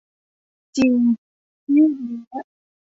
จริง ยืดเยื้อ